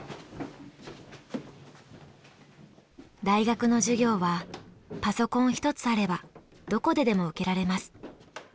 大学の授業はパソコン一つあればどこででも受けられます。